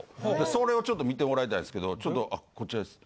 それをちょっと見てもらいたいんすけどちょっとこちらです。